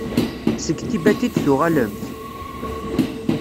Seg Tibet i d-tuɣalemt?